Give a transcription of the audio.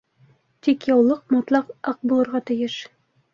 Тик яулыҡ мотлаҡ аҡ булырға тейеш.